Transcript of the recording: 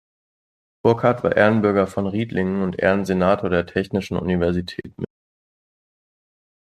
Burkart war Ehrenbürger von Riedlingen und Ehrensenator der Technischen Universität München.